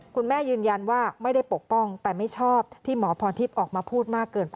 คุณแม่ยืนยันว่าไม่ได้ปกป้องแต่ไม่ชอบที่หมอพรทิพย์ออกมาพูดมากเกินไป